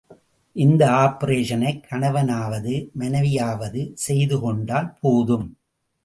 இந்த ஆப்பரேஷனைக் கணவனாவது மனைவியாவது செய்து கொண்டால் போதும்.